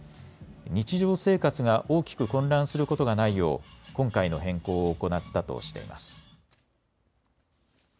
日常生活が大きく混乱することがないよう今回の変更を行ったとしています。